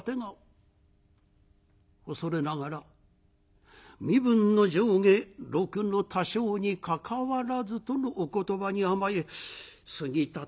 「恐れながら身分の上下禄の多少にかかわらずとのお言葉に甘え杉立